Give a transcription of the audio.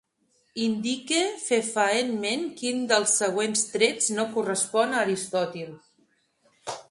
Indique fefaentment quin dels següents trets no correspon a Aristòtil.